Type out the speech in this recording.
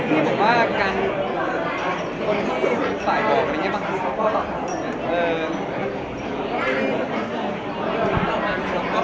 พี่บอกว่าการต่ายบ่อไปมันก็คือข้อหลัก